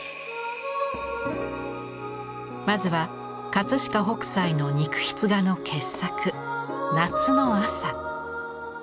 まずは飾北斎の肉筆画の傑作「夏の朝」。